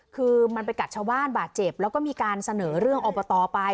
คือมันไปกัดชาวบ้านบาดเจ็บแล้วก็มีการเสนอเรื่องอบตไป